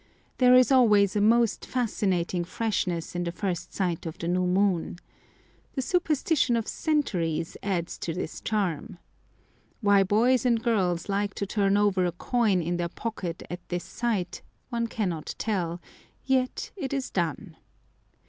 There is always a most fascinating freshness in the first sight of the new moon. The superstition of centuries adds to this charm. Why boys and girls like to turn over a coin in their pocket at this sight one cannot tell: yet it is done.